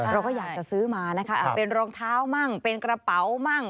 เราก็อยากจะซื้อมานะคะเป็นรองเท้ามั่งเป็นกระเป๋ามั่ง